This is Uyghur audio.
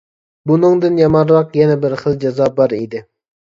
بۇنىڭدىن يامانراق يەنە بىر خىل جازا بار ئىدى.